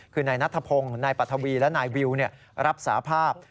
คือนายนัทพงศ์นายปัทวีและนายวิวรับสาภาพ